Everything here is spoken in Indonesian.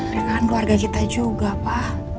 dan kan keluarga kita juga pa